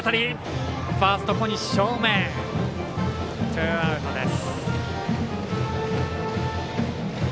ツーアウトです。